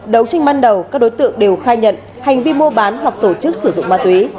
đầu tranh ban đầu các đối tượng đều khai nhận hành vi mua bán hoặc tổ chức sử dụng ma túy